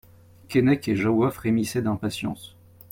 Keinec et Jahoua frémissaient d'impatience.